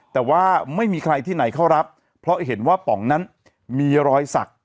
แต่ว่าไม่มีใครที่ไหนเข้ารับเพราะเห็นว่าป๋องนั้นมีรอยสัก